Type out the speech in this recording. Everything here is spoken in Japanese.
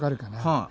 はい。